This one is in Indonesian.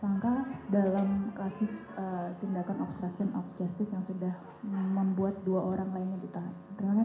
yang sudah membuat dua orang lainnya